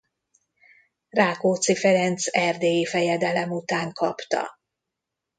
Rákóczi Ferenc erdélyi fejedelem után kapta.